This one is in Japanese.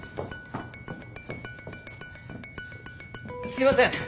すいません。